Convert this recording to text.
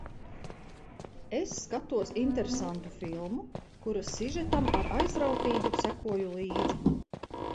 Es skatos interesantu filmu, kuras sižetam ar aizrautību sekoju līdzi.